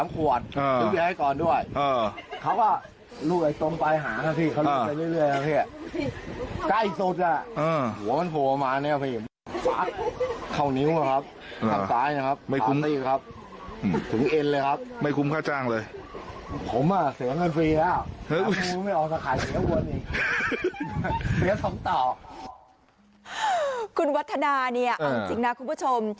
คุณวัฒนาเนี่ยเอาจริงนะคุณผู้ชม